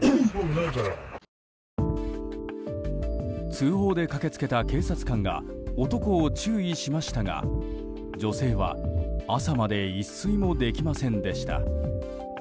通報で駆けつけた警察官が男を注意しましたが女性は朝まで一睡もできませんでした。